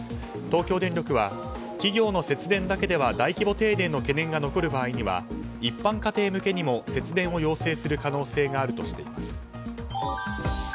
東京電力は企業の節電だけでは大規模停電の懸念が残る場合には一般家庭向けにも節電を要請する可能性があるとしています。